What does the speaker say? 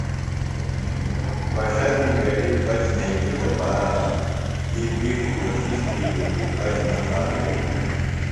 بݜہ دی کُڈیۡ بچ تھئینی دپارہ تی بِیڈیۡ کوشِش تِھیلیۡ خُو بچ نہ تھا بھیلِم۔